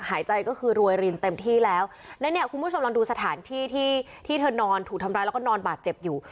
หายใจก็คือรวยรินเต็มที่แล้วและเนี่ยคุณผู้ชมลองดูสถานที่ที่ที่เธอนอนถูกทำร้ายแล้วก็นอนบาดเจ็บอยู่